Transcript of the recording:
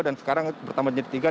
dan sekarang bertambah jadi tiga